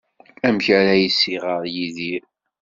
Amek ara as-iɣer Yidir?